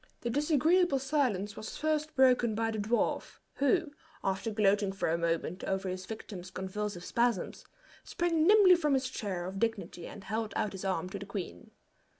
The disagreeable silence was first broken by the dwarf, who, after gloating for a moment over his victim's convulsive spasms, sprang nimbly from his chair of dignity and held out his arm for the queen.